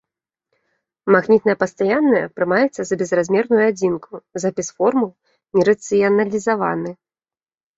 Магнітная пастаянная прымаецца за безразмерную адзінку, запіс формул не рацыяналізаваны.